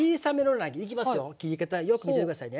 切り方よく見てて下さいね。